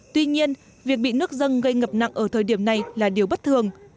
tuy nhiên việc bị nước dân gây ngập nặng ở thời điểm này là điều bất thường